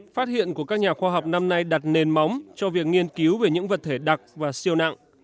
phát hiện của các nhà khoa học năm nay đặt nền móng cho việc nghiên cứu về những vật thể đặc và siêu nặng